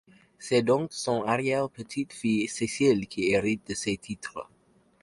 C'est donc son arrière-petite-fille Cécile qui hérite de ses titres.